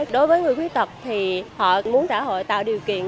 đối với người khuyết tật thì họ muốn xã hội tạo điều kiện